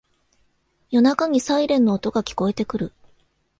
夜中にサイレンの音が聞こえてくる